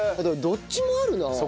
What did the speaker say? だからどっちもあるな。